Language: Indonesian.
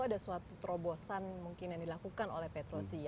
ada suatu terobosan mungkin yang dilakukan oleh petrosi